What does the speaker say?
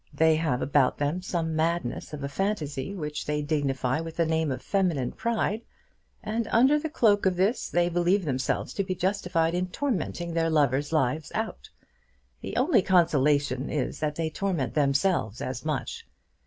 They have about them some madness of a phantasy which they dignify with the name of feminine pride, and under the cloak of this they believe themselves to be justified in tormenting their lovers' lives out. The only consolation is that they torment themselves as much.